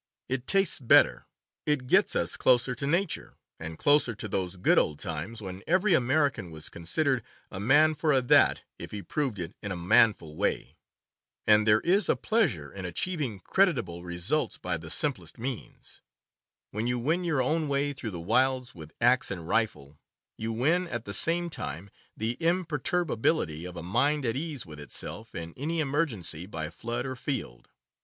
It tastes better. It gets us closer to nature, and closer to those good old times when every American was considered "a man for a' that" if he proved it in a manful way. And there is a pleasure in achieving creditable results by the sim plest means. When you win your own way through the wilds with axe and rifie you win at the same time the imperturbability of a mind at ease with itself in any 6 CAMPING AND WOODCRAFT emergency by flood or field.